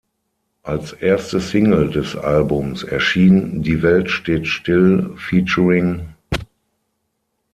Als erste Single des Albums erschien "Die Welt steht still feat.